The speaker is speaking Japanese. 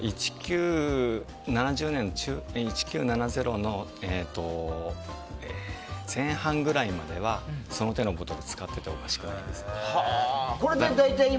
１９７０年の前半ぐらいまではその手のボトルを使っていてもおかしくないんですね。